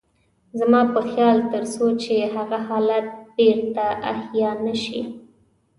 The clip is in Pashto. زما په خيال تر څو چې هغه حالت بېرته احيا نه شي.